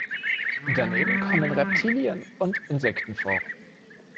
Daneben kommen Reptilien und Insekten vor.